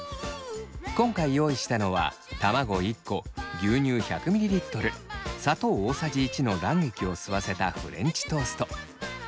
今回用意したのは卵１個牛乳１００ｍｌ砂糖大さじ１の卵液を吸わせたフレンチトースト。